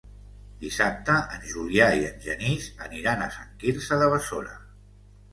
Dissabte en Julià i en Genís aniran a Sant Quirze de Besora.